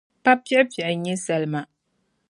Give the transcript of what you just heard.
Pa piɣipiɣi n-nyɛ salima.